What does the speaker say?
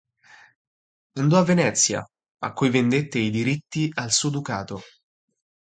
Andò a Venezia, a cui vendette i diritti al suo ducato.